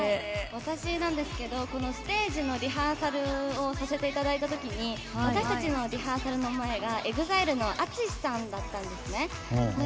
私なんですけどステージのリハーサルをさせていただいた時に私たちのリハーサルの前がＥＸＩＬＥのＡＴＳＵＳＨＩさんだったんです。